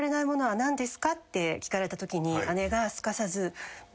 聞かれたときに姉がすかさず。